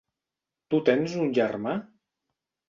Tu tens un germà?